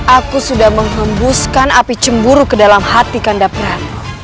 aku sudah mengembuskan api cemburu ke dalam hati kanda prabu